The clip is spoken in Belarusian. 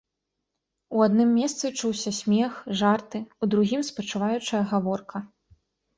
У адным месцы чуўся смех, жарты, у другім спачуваючая гаворка.